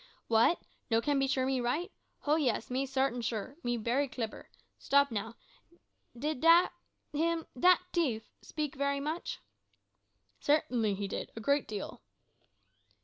"W'at, no can be sure me right? ho, yis, me sartin sure. Me bery clibber. Stop, now. Did him dat tief! speak bery mush?" "Certainly he did, a good deal."